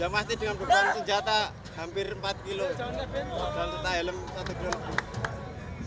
yang pasti dengan beban senjata hampir empat kilo dan tetap helm satu gram